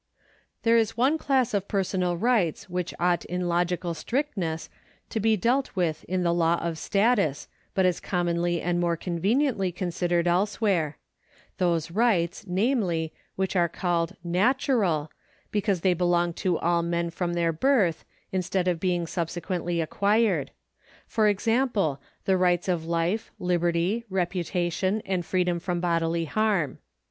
^ There is one class of personal rights whicli ought in logical strictness to be dealt with in the law of status, but is commonly and more conveniently considered elsewhere — those rights, namely, whicli are called nalural, because they belong to all men from their birth, instead of being sub sequently acquired : for example, the rights of life, liberty, reputation, and freedom from bodily harm.